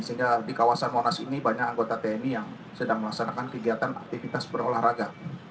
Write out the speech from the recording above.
sehingga di kawasan monas ini banyak anggota tni yang sedang melaksanakan kegiatan aktivitas berolahraga